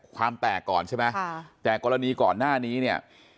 ความแตกก่อนใช่ไหมแต่กรณีก่อนหน้านี้เนี่ย